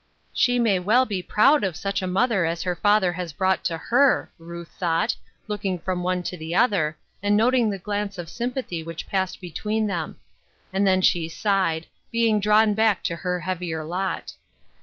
" She maj* well be proud of such a mother as her father has A Society Cross, 141 brought to ^er," Ruth thought, looking from one to the other, and noting the glance of sympathy which passed between them And then she sighed, being drawn back to her heavier lot.